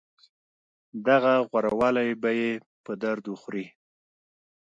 دغه غوره والی به يې په درد وخوري.